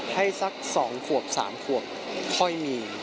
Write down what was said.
สัก๒ขวบ๓ขวบค่อยมี